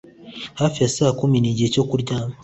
Hafi ya saa kumi Nigihe cyo kuryama